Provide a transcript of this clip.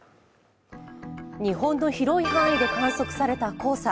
日本の広い範囲で観測された黄砂。